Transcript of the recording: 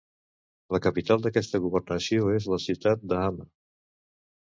La capital d'aquesta governació és la ciutat d'Hama.